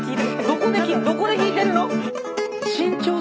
どこでどこで弾いてるの？